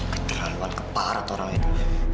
keterlaluan keparat orang itu